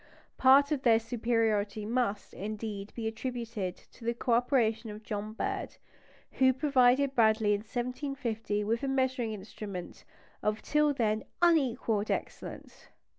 Part of their superiority must, indeed, be attributed to the co operation of John Bird, who provided Bradley in 1750 with a measuring instrument of till then unequalled excellence.